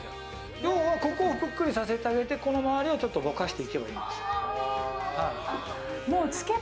要はここをぷっくりさせてあげて、この周りをぼかしていけばいいんです。